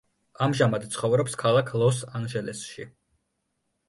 ამჟამად ცხოვრობს ქალაქ ლოს-ანჟელესში.